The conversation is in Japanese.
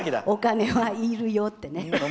お金はいるよってね。